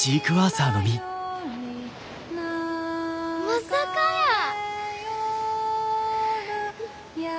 まさかやー。